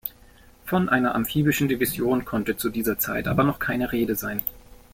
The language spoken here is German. Von einer amphibischen Division konnte zu dieser Zeit aber noch keine Rede sein.